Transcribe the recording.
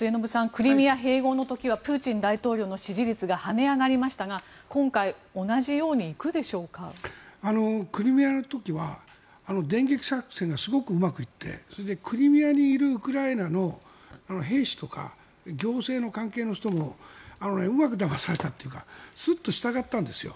クリミア併合の時はプーチン大統領の支持率が跳ね上がりましたがクリミアの時は電撃作戦がすごくうまくいってクリミアにいるウクライナの兵士とか行政の関係の人もうまくだまされたというかスッと従ったんですよ。